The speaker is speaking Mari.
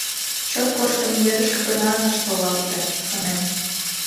Чот корштымо верышке гына ынышт логалте, шонем...